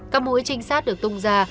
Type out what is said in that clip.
các mũi trinh sát được tung ra